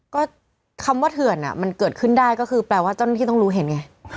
ก็คำว่าเถื่อนมันเกิดขึ้นได้ก็คือแปลว่าเจ้าหน้าที่ต้องรู้เห็นไง